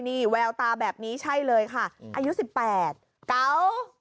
นี่แววตาแบบนี้ใช่เลยค่ะอายุ๑๘เก๋า